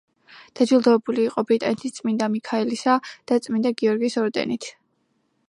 დაჯილდოებული იყო „ბრიტანეთის წმინდა მიქაელისა და წმინდა გიორგის ორდენით“.